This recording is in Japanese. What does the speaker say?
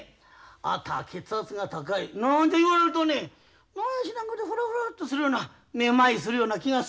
「あなたは血圧が高い」なんて言われるとね何や知らんけどふらふらっとするようなめまいするような気がするねん。